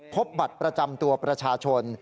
พบบัตรประจำตัวประชาชน